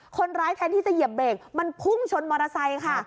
คนร้ายแท้ที่จะเหยียบเบรคมันพุ่งชนมอราไซด์ค่ะ